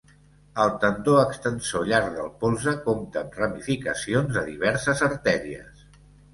El tendó extensor llarg del polze compta amb ramificacions de diverses artèries.